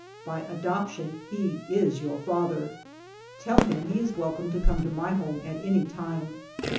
By adoption he is your father. Tell him he is welcome to come to my home at any time."